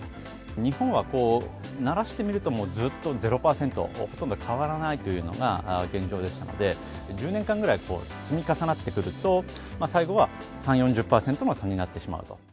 日本はならしてみると、もうずっと０％でほとんど変わらないというのが現状でしたので、１０年間ぐらい積み重なってくると、最後は３、４０％の差になってしまうと。